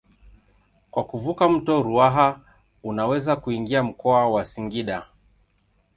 Kwa kuvuka mto Ruaha unaweza kuingia mkoa wa Singida.